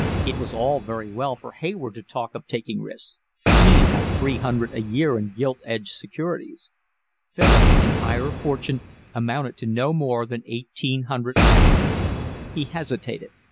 It was all very well for Hayward to talk of taking risks, he had three hundred a year in gilt edged securities; Philip's entire fortune amounted to no more than eighteen hundred pounds. He hesitated.